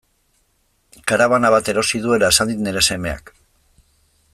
Karabana bat erosi duela esan dit nire semeak.